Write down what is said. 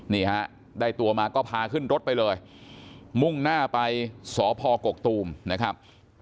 นี่ฮะได้ตัวมาก็พาขึ้นรถไปเลยมุ่งหน้าไปสพกกตูมนะครับ